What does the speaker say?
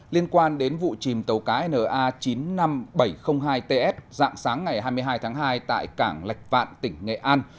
liên quan đến vụ chìm tàu cá na chín mươi năm nghìn bảy trăm linh hai ts dạng sáng ngày hai mươi hai tháng hai tại cảng lạch vạn tỉnh nghệ an